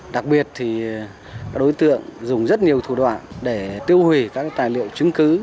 đặc biệt thì các đối tượng dùng rất nhiều thủ đoạn để tiêu hủy các tài liệu chứng cứ